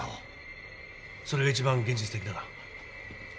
それが一番現実的だな。